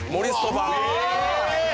え⁉